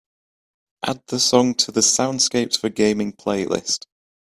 Add the song to the soundscapes for gaming playlist.